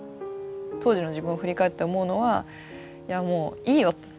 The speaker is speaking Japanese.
当時の自分を振り返って思うのは「いやもういいよ変でも。